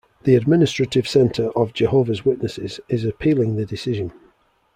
The Administrative Center of Jehovah's Witnesses is appealing the decision.